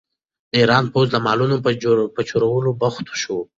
د ایران پوځ د مالونو په چورولو بوخت شو.